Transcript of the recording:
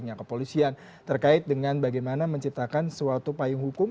dan juga kepolisian terkait dengan bagaimana menciptakan suatu payung hukum